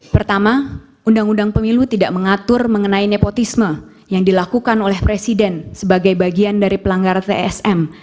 pertama undang undang pemilu tidak mengatur mengenai nepotisme yang dilakukan oleh presiden sebagai bagian dari pelanggaran tsm